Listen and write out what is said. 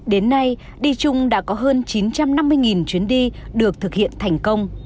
đến nay đi chung đã có hơn chín trăm năm mươi chuyến đi được thực hiện thành công